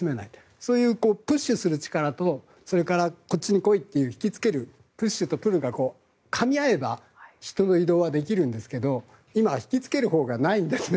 そういうプッシュする力とそれからこっちに来いという引きつけるプッシュとプルがかみ合えば人の移動はできるんですけど今、引きつけるほうがないんですね。